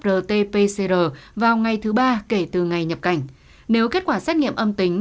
rt pcr vào ngày thứ ba kể từ ngày nhập cảnh nếu kết quả xét nghiệm âm tính